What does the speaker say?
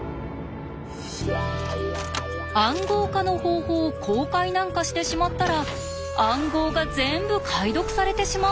「暗号化の方法」を公開なんかしてしまったら暗号が全部解読されてしまう！